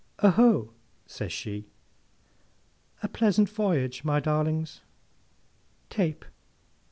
'—'Oho!' says she. 'A pleasant voyage, my darlings.—Tape!